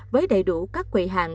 với đầy đủ các quậy hàng